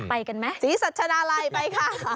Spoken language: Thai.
ไปกันมั้ยสีสัชนาลัยไปค่ะ